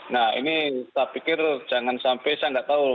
nah ini saya pikir jangan sampai saya nggak tahu